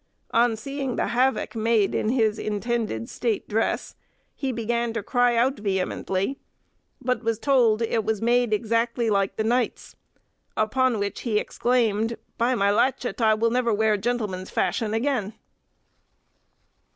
On seeing the havoc made in his intended state dress, he began to cry out vehemently, but was told it was made exactly like the knight's; upon which he exclaimed, "By my latchet, I will never wear gentleman's fashion again."